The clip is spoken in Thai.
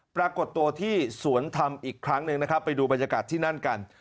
ปรากฏตัวที่สวนธรรมอีกครั้งหนึ่งนะครับไปดูบรรยากาศที่นั่นกัน